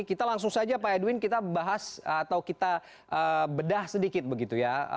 kita langsung saja pak edwin kita bahas atau kita bedah sedikit begitu ya